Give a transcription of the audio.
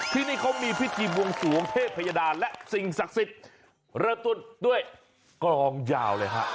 ที่นี่เขามีพิธีบวงสวงเทพยดาและสิ่งศักดิ์สิทธิ์เริ่มต้นด้วยกลองยาวเลยฮะ